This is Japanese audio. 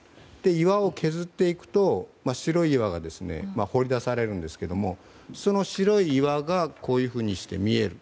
岩を削っていくと白い岩が掘り出されるんですけどもその白い岩がこういうふうにして見える。